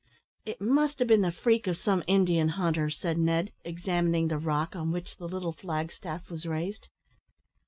"It must have been the freak of some Indian hunter," said Ned, examining the rock on which the little flag staff was raised.